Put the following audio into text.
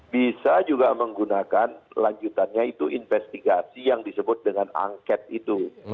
bisa juga menggunakan lanjutannya itu investigasi yang disebut dengan angket itu